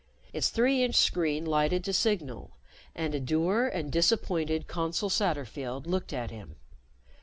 Its three inch screen lighted to signal and a dour and disappointed Consul Satterfield looked at him.